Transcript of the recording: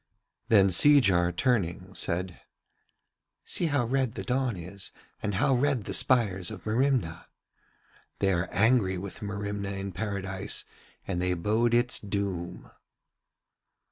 Then Seejar turning said: 'See how red the dawn is and how red the spires of Merimna. They are angry with Merimna in Paradise and they bode its doom.'